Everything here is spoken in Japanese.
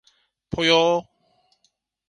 ぽよー